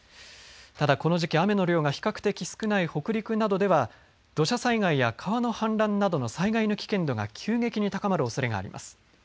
ただ、この時期雨の量が比較的少ない北陸などでは土砂災害や川の氾濫などの災害の危険度が急激に高まるおそれがあります。